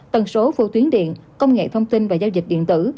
tần số vô tuyến điện công nghệ thông tin và giao dịch điện tử